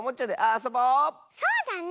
そうだね。